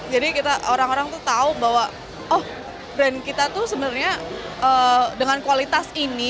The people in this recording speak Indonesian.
jadi orang orang tuh tahu bahwa oh brand kita tuh sebenarnya dengan kualitas ini